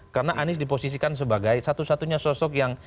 karena anies diposisikan sebagai satu satunya sosok yang